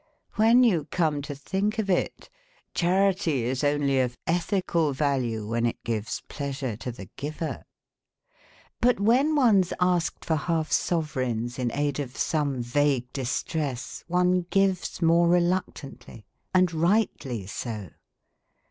(When you come to think of it } Charity is only of ethical value when it gives pleasure to the giver!) But when one's asked for half sovereigns in aid of some vague distress one gives more reluctantly, and rightly so.